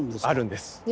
あるんです。